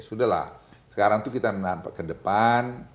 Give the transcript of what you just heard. sudahlah sekarang tuh kita nampak ke depan